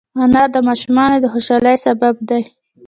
انار د ماشومانو د خوشحالۍ سبب دی.